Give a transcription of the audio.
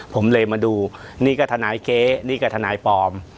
ผมเลยมาดูนี่ก็ทนายเก๊นี่ก็ทนายปลอม